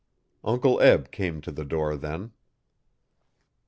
Uncle Eb came to the door then.